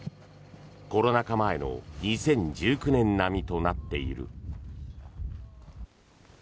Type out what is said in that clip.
コロナ禍前の２０１９年並みとなっている。